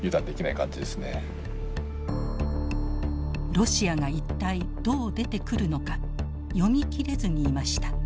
ロシアが一体どう出てくるのか読み切れずにいました。